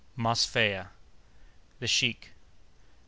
Mosfeia.—The Sheik.